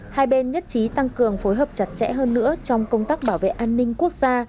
hai bên nhất trí tăng cường phối hợp chặt chẽ hơn nữa trong công tác bảo vệ an ninh quốc gia